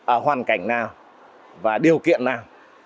ở hoàn cảnh nào và điều kiện nào